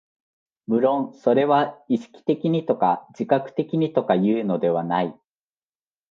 無論それは意識的にとか自覚的にとかいうのではない。